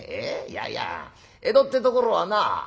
いやいや江戸ってところはな